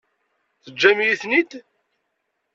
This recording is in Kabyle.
Teǧǧam-iyi-ten-id?